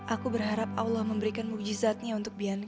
aku berharap allah memberikan mujizatnya untuk bian